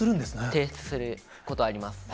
提出すること、あります。